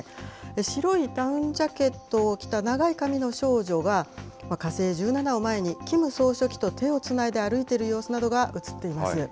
白いダウンジャケットを着た長い髪の少女が、火星１７を前にキム総書記と手をつないで歩いている様子などが写っています。